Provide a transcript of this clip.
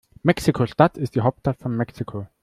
Mexiko-Stadt ist die Hauptstadt von Mexiko.